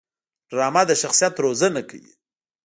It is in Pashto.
ډرامه د شخصیت روزنه کوي